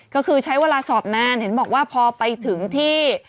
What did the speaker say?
ก็คือใช้เวลาสอบนานเห็นบอกว่าพอไปถึงที่